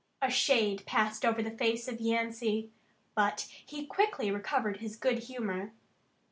A shade passed over the face of Yancey, but he quickly recovered his good humor.